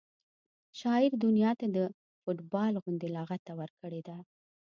شاعر دنیا ته د فټبال غوندې لغته ورکړې ده